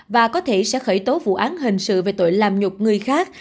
và có thể sẽ khởi tố vụ án hình sự về tội làm nhục người khác